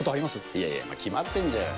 いやいや、決まってんじゃん。